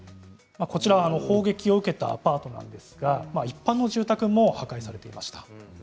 砲撃を受けたアパートなんですが一般の住宅も破壊されていました。